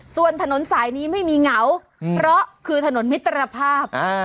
ส่วนถนนสายนี้ไม่มีเหงาเพราะคือถนนมิตรภาพ